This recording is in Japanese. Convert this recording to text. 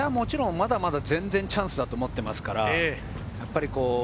まだまだ全然チャンスだと思ってます。